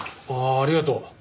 ああありがとう。